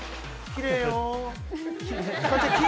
きれいよ。